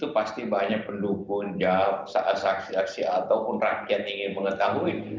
pasti banyak pendukung jawab saksi saksi ataupun rakyat ingin mengetahui